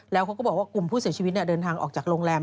แล้วเขาก็บอกว่ากลุ่มผู้เสียชีวิตเดินทางออกจากโรงแรม